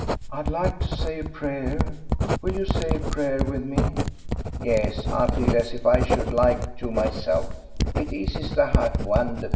"I'd like to say a prayer. Will you say a prayer with me?" "Yes, I feel as if I should like to myself; it eases the heart wonderful."